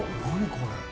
これ。